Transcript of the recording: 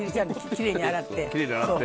きれいに洗って。